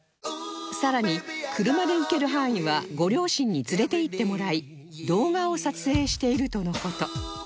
さらに車で行ける範囲はご両親に連れて行ってもらい動画を撮影しているとの事